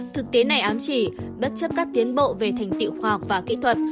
thực tế này ám chỉ bất chấp các tiến bộ về thành tiệu khoa học và kỹ thuật